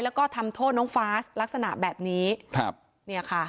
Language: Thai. แล้วก็ทำโทษน้องฟาสลักษณะแบบนี้ครับเนี่ยค่ะ